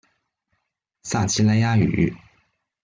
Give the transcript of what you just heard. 撒奇萊雅語